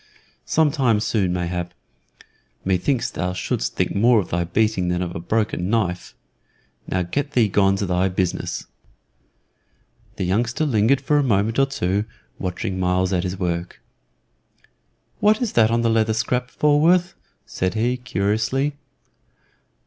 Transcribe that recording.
"Some time soon, mayhap. Me thinks thou shouldst think more of thy beating than of a broken knife. Now get thee gone to thy business." The youngster lingered for a moment or two watching Myles at his work. "What is that on the leather scrap, Falworth?" said he, curiously.